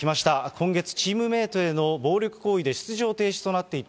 今月、チームメートへの暴力行為で出場停止となっていた